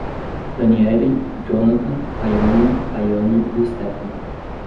Danieli, Jhonatan, Rayane, Taiane e Stefani